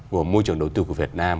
của môi trường đầu tư của việt nam